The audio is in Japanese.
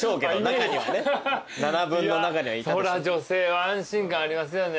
そら女性は安心感ありますよね。